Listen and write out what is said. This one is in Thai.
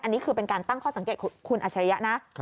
อันนี้คือเป็นการตั้งข้อสังเกตของคุณอัชริยะนะ